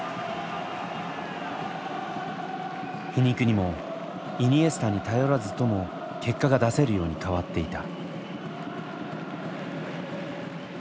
皮肉にもイニエスタに頼らずとも結果が出せるように変わっていた。